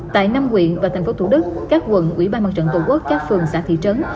tại năm huyện và tp thủ đức các quận ủy ban mặt trận tổ quốc các phường xã thị trấn